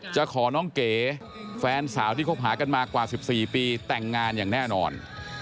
จะขอน้องเก๋แฟนสาวที่คบหากันมากว่า๑๔ปีแต่งงานอย่างแน่นอน